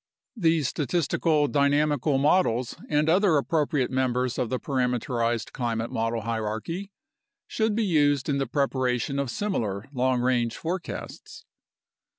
The statistical dynamical models and other appropriate members of the parameterized climate model hierarchy should be used in the preparation of similar long range forecasts.